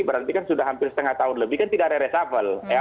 berarti kan sudah hampir setengah tahun lebih kan tidak ada reshuffle